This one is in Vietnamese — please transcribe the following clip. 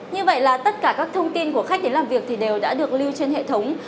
như vậy là tất cả các thông tin của khách đến làm việc thì đều đã được lưu trên hệ thống